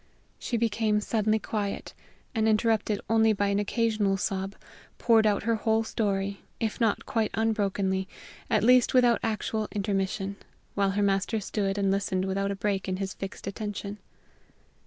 She became suddenly quiet, and, interrupted only by an occasional sob, poured out her whole story, if not quite unbrokenly, at least without actual intermission, while her master stood and listened without a break in his fixed attention.